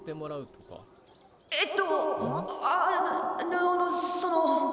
えっとああのその」。